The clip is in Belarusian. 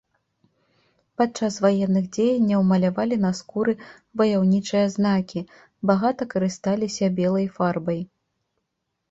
Падчас ваенных дзеянняў малявалі на скуры ваяўнічыя знакі, багата карысталіся белай фарбай.